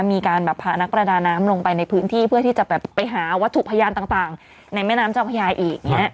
มีการแบบพานักประดาน้ำลงไปในพื้นที่เพื่อที่จะแบบไปหาวัตถุพยานต่างในแม่น้ำเจ้าพญาอีกอย่างนี้